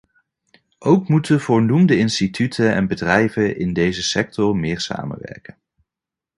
Ook moeten voornoemde instituten en bedrijven in deze sector meer samenwerken.